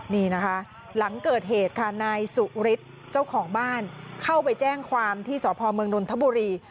นี่นะคะหลังเกิดเหตุค่ะนายสุฤทธิ์เจ้าของบ้านเข้าไปแจ้งความที่สพเมืองนนทบุรี